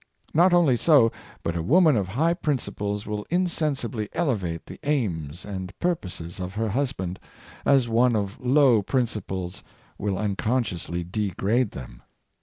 Not only so, but a woman of high principles will insensibly elevate the aims and purposes of her husband, as one of low princi ples will unconsciously degrade them.